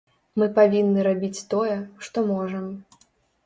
Мы павінны рабіць тое, што можам.